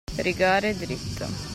Rigare dritto.